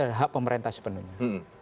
itu adalah masalah pemerintah sepenuhnya